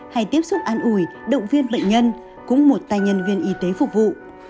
hay tiếp xúc ăn uổi động viên bệnh nhân cũng một tay nhân viên y tế phục vụ